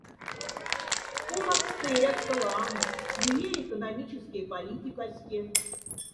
Полафкста эряфса лама, лия экономическяй политикаське.